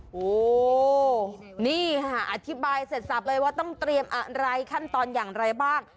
โอ้โหนี่ค่ะอธิบายเสร็จสับเลยว่าต้องเตรียมอะไรขั้นตอนอย่างไรบ้าง